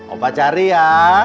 opa cari ya